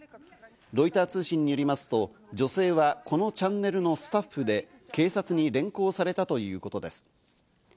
ロイター通信によりますと、女性はこのチャンネルのスタッフで警察に連行されたということです。